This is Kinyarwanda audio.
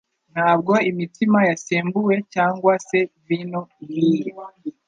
Ntabwo imitsima yasembuwe cyangwa se vino ihiye,